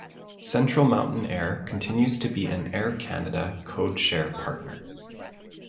Central Mountain Air continues to be an Air Canada Code Share partner.